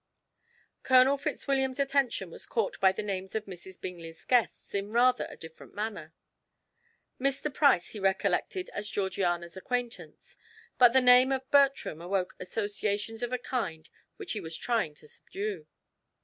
Colonel Fitzwilliam's attention was caught by the names of Mrs. Bingley's guests in rather a different manner. Mr. Price he recollected as Georgiana's acquaintance, but the name of Bertram awoke associations of a kind which he was trying to subdue.